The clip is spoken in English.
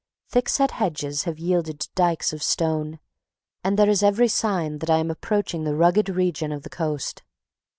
Thickset hedges have yielded to dykes of stone, and there is every sign that I am approaching the rugged region of the coast.